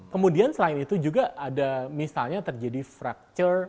kemudian selain itu juga ada misalnya terjadi fracture